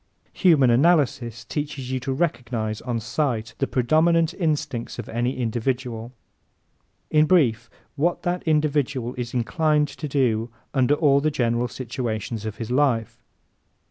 ¶ Human Analysis teaches you to recognize, on sight, the predominant instincts of any individual in brief, what that individual is inclined to do under all the general situations of his life.